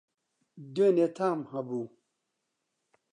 دوێنی تام هەبوو